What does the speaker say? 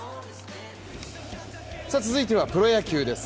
続いてはプロ野球です。